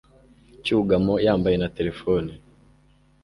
Cyugamo yambaye na terefone.